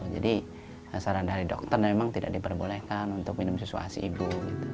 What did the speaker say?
jadi saran dari dokter memang tidak diperbolehkan untuk minum susu asli ibu